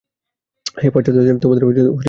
হে পশ্চাত্য জাতি! তোমাদের যাহা বলিবার তাহা বল।